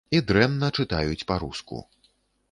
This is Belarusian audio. І дрэнна чытаюць па-руску.